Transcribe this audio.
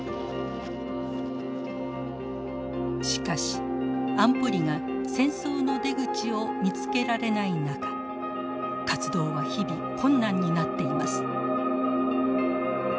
しかし安保理が戦争の出口を見つけられない中活動は日々困難になっています。